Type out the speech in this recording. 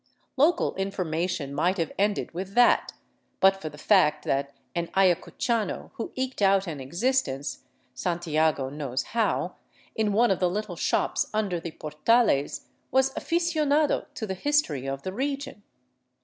Local information might have ended with that, but for the fact that an ayacuchano who eked out an existence, Santiago knows how, in one of the little shops under the portales, was " aficionado " to the history of the region.